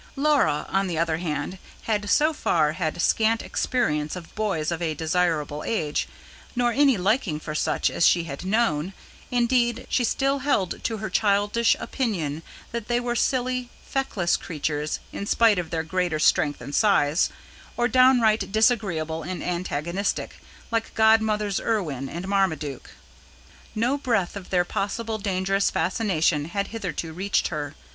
Laura, on the other hand, had so far had scant experience of boys of a desirable age, nor any liking for such as she had known; indeed she still held to her childish opinion that they were "silly" feckless creatures, in spite of their greater strength and size or downright disagreeable and antagonistic, like Godmother's Erwin and Marmaduke. No breath of their possible dangerous fascination had hitherto reached her.